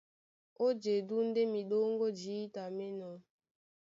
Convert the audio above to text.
Ó jedú ndé miɗóŋgó jǐta mí enɔ́.